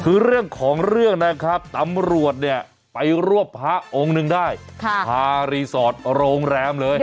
คือเรื่องของเรื่องนะครับตำรวจเนี่ยไปรวบพระองค์หนึ่งได้พารีสอร์ทโรงแรมเลย